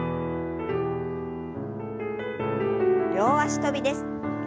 両脚跳びです。